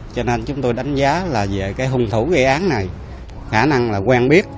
cho nên chúng tôi đánh nhau